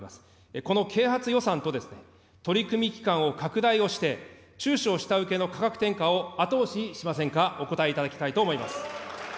この啓発予算と取り組み期間を拡大をして、中小、下請けの価格転嫁を後押ししませんか、お答えいただきたいと思います。